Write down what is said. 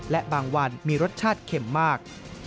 และบางวันมีรสชาติเข็มมาก